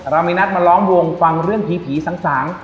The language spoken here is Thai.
เรามีนัดมาล้อมวงฟังเรื่องผีสาง